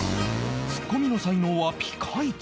ツッコミの才能はピカイチ